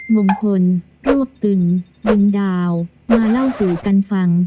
มงคลรวบตึงดึงดาวมาเล่าสู่กันฟัง